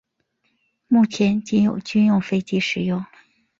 目前仅有军用飞机使用。